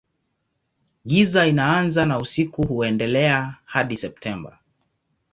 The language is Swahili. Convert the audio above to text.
Giza inaanza na usiku huendelea hadi Septemba.